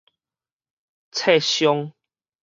摖傷